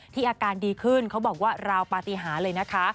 อาการดีขึ้นเขาบอกว่าราวปฏิหารเลยนะคะ